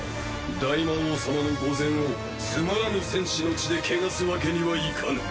大魔王様の御前をつまらぬ戦士の血でけがすわけにはいかぬ。